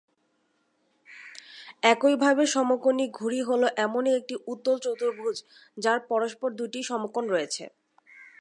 একইভাবে, সমকোণী ঘুড়ি হল এমনই এক উত্তল চতুর্ভুজ যার পরস্পর বিপরীত দুটি সমকোণ রয়েছে।